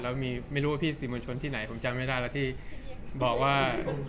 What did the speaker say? แล้วไม่รู้ว่าพี่สื่อมวลชนที่ไหนผมจำไม่ได้แล้วที่บอกว่า